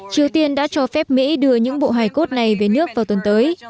triều tiên đã cho phép mỹ đưa những bộ hài cốt này về nước vào tuần tới